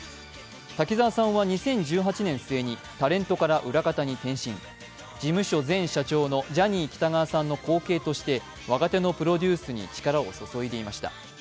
滝沢さんは２０１８年末にタレントから裏方に転身、事務所前社長のジャニー喜多川さんの後継として、若手のプロデュースに力を注いでいました。